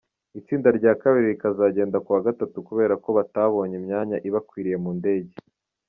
Itsinda rya kabiri rikazagenda kuwa Gatatu kubera ko batabonye imyanya ibakwiriye mu ndege.